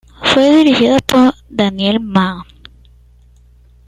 Fue dirigida por Daniel Mann.